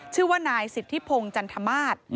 ชื่อว่านายสิทธิพงศ์จันทมาศ